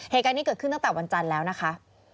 เหตุการณ์นี้เกิดขึ้นตั้งแต่วันจันทร์แล้วนะคะ